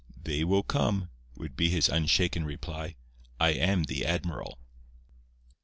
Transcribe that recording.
"They will come," would be his unshaken reply; "I am the admiral."